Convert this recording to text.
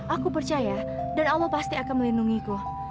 aku percaya dan allah pasti akan melindungiku